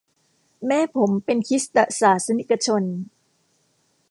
แม่ผมเป็นคริสตศาสนิกชน